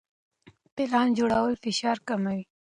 پلان جوړول فشار کموي.